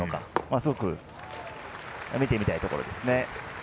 すごく見てみたいところですね。